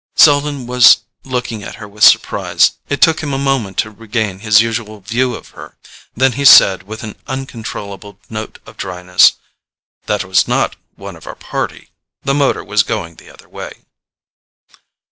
Selden was looking at her with surprise: it took him a moment to regain his usual view of her; then he said, with an uncontrollable note of dryness: "That was not one of our party; the motor was going the other way."